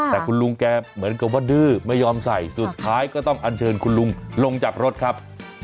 แต่คุณลุงแกเหมือนกับว่าดื้อไม่ยอมใส่สุดท้ายก็ต้องอันเชิญคุณลุงลงจากรถครับ